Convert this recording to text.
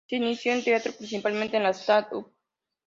Se inició en teatro, principalmente en el stand up.